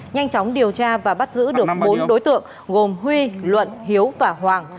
nhanh chóng điều tra và bắt giữ được bốn đối tượng gồm huy luận hiếu và hoàng